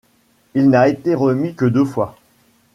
Il n'a été remis que deux fois.